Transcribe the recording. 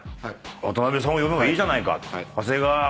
渡辺さんを呼ぶのがいいじゃないかって。